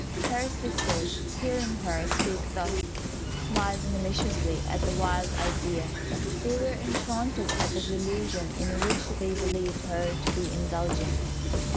Her sisters, hearing her speak thus, smiled maliciously at the wild idea; they were enchanted at the delusion in which they believed her to be indulging.